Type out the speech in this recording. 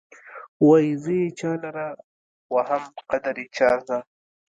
وايې زه یې چا لره وهم قدر يې چا زده.